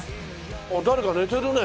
あっ誰か寝てるね。